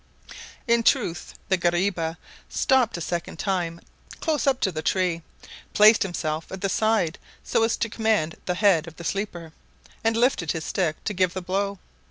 In truth, the guariba stopped a second time close up to the tree, placed himself at the side, so as to command the head of the sleeper, and lifted his stick to give the blow.